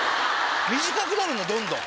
⁉短くなるんだどんどん。